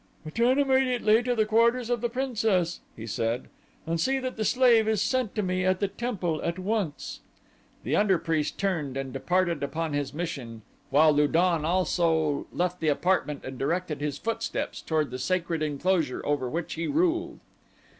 "Return immediately to the quarters of the princess," he said, "and see that the slave is sent to me at the temple at once." The under priest turned and departed upon his mission while Lu don also left the apartment and directed his footsteps toward the sacred enclosure over which he ruled.